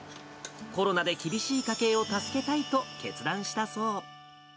コロナで厳しい家計を助けたいと決断したそう。